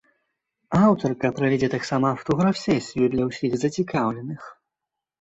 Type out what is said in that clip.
Аўтарка правядзе таксама аўтограф-сесію для ўсіх зацікаўленых.